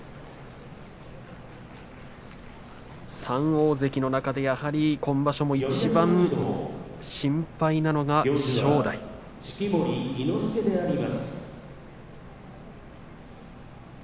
３大関の中でやはりいちばん心配なのが正代です。